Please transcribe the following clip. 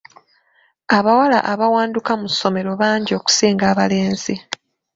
Abawala abawanduka mu ssomero bangi okusinga abalenzi.